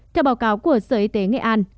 theo báo cáo của sở y tế nghệ an